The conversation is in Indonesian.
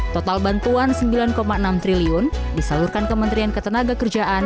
total bantuan rp sembilan enam triliun disalurkan kementerian ketenaga kerjaan